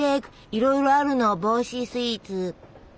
いろいろあるの帽子スイーツ。